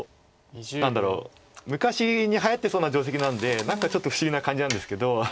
昔にはやってそうな定石なんで何かちょっと不思議な感じなんですけど。